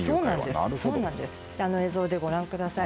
映像でご覧ください。